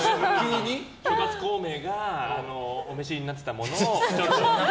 諸葛孔明がお召しになってたものを。